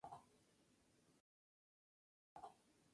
Dejó a Catherine al cuidado de una madrastra inmadura e irresponsable.